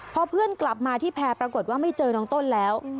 พอเพื่อนกลับมาที่แพร่ปรากฏว่าไม่เจอน้องต้นแล้ว